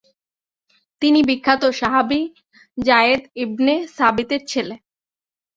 তিনি বিখ্যাত সাহাবী যায়েদ ইবনে সাবিতের ছেলে।